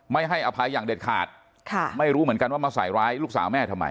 ให้อภัยอย่างเด็ดขาดค่ะไม่รู้เหมือนกันว่ามาใส่ร้ายลูกสาวแม่ทำไม